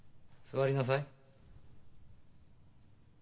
座りなさい。